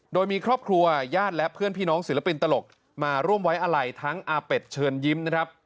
โดยมีครอบครัวญาติและเพื่อนพี่น้องศิลปินตลกมาร่วมไว้อะไรทั้งอาเป็ดเชิญยิ้มนะครับ